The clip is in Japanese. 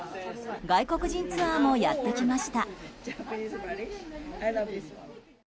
外国人ツアーもやってきました。